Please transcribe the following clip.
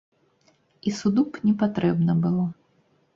І суду б не патрэбна было.